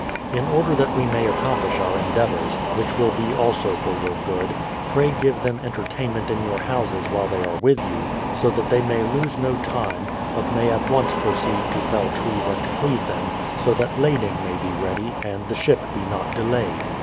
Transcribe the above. In order that we may accomplish our endeavours, which will be also for your good, pray give them entertainment in your houses while they are with you, so that they may lose no time, but may at once proceed to fell trees and cleave them, so that lading may be ready, and the ship be not delayed.